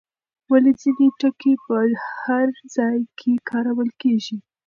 ولې ځینې ټکي په هر ځای کې کارول کېږي؟